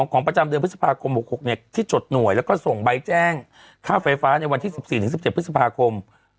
ประจำเดือนพฤษภาคม๖๖ที่จดหน่วยแล้วก็ส่งใบแจ้งค่าไฟฟ้าในวันที่๑๔๑๗พฤษภาคม